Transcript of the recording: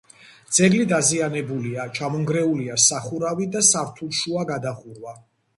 ძეგლი დაზიანებულია: ჩამონგრეულია სახურავი და სართულშუა გადახურვა.